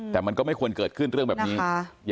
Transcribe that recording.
แต่มันก็ไม่ควรเกิดขึ้นเรื่องแบบนี้